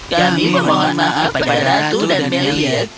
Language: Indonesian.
kami mohon maaf kepada ratu dan meliath